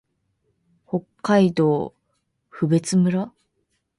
北海道更別村